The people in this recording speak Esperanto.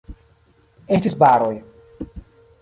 Estis baroj.